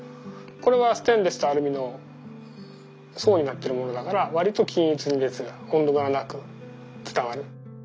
これはステンレスとアルミの層になってるものだからわりと均一に熱が温度むらなく伝わる。